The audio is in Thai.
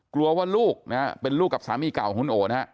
กลัวว่าลูกนะฮะเป็นลูกกับสามีเก่าคุณโอนะฮะ